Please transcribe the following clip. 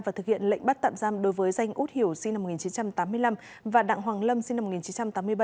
và thực hiện lệnh bắt tạm giam đối với danh út hiểu sinh năm một nghìn chín trăm tám mươi năm và đặng hoàng lâm sinh năm một nghìn chín trăm tám mươi ba